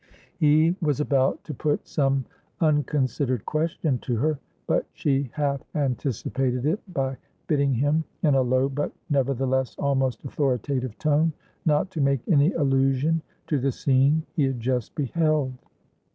He was about to put some unconsidered question to her, but she half anticipated it by bidding him, in a low, but nevertheless almost authoritative tone, not to make any allusion to the scene he had just beheld.